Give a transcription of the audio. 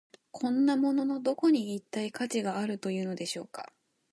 こんなもののどこに、一体価値があるというのでしょうか。